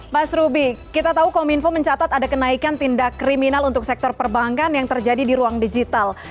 mas ruby kita tahu kominfo mencatat ada kenaikan tindak kriminal untuk sektor perbankan yang terjadi di ruang digital